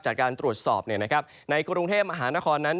จากการตรวจสอบเนี่ยนะครับในกรุงเทพมหานครนั้น